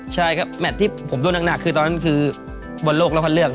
ใช่แต่ก็เป็นครั้งวันที่บนโลกละคันเลือก